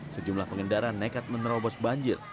sejumlah pengendara nekat menerobos banjir